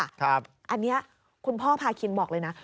อันนี้คุณพ่อพาคินบอกเลยนะ